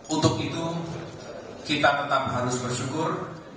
untuk itu kita tetap harus bersyukur